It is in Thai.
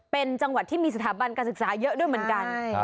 เป็นจังหวัดที่มีสถาบันการศึกษาเยอะด้วยเหมือนกัน